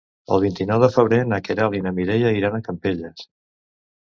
El vint-i-nou de febrer na Queralt i na Mireia iran a Campelles.